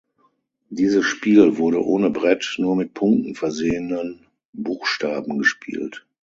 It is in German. Dieses Spiel wurde ohne Brett, nur mit Punkten versehenen Buchstaben gespielt.